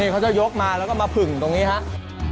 เขาจะยกมาแล้วก็มาผึ่งตรงนี้ครับ